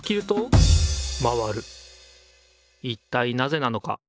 いったいなぜなのか。